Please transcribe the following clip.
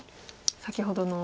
先ほどの。